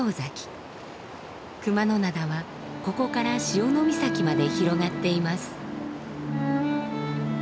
熊野灘はここから潮岬まで広がっています。